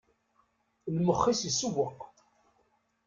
Lmex-is isewweq.